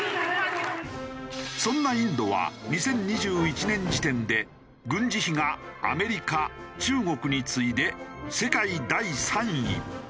そんなインドは２０２１年時点で軍事費がアメリカ中国に次いで世界第３位。